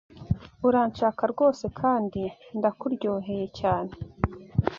Uranshaka rwoseKandi ndakuryoheye cyane